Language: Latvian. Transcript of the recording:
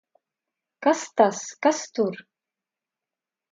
Kas tas! Kas tur!